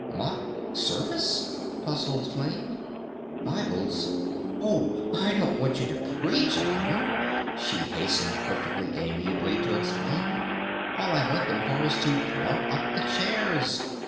"Mock service?" puzzled Flame. "Bibles?... Oh, I don't want you to preach out of 'em," she hastened perfectly amiably to explain. "All I want them for is to plump up the chairs....